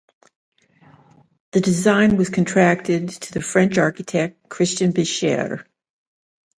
The design was contracted to the French architect "Christian Biecher".